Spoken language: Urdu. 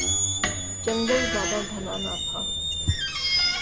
جنگل زیادہ گھنا نہ تھا